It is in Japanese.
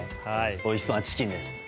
おいしそうなチキンです。